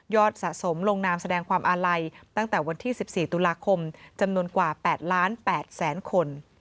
สะสมลงนามแสดงความอาลัยตั้งแต่วันที่๑๔ตุลาคมจำนวนกว่า๘๘๐๐๐คน